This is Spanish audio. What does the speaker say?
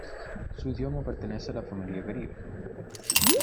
Su idioma pertenece a la familia caribe.